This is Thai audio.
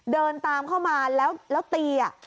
เดินตามเข้ามาแล้วตี